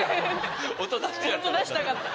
音出したかった。